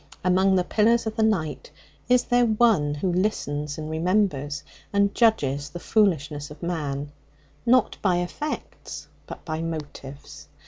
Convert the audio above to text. Among the pillars of the night is there One who listens and remembers, and judges the foolishness of man, not by effects, but by motives?